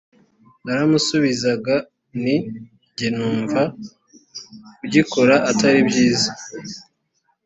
naramusubizaga nti jye numva kugikora atari byiza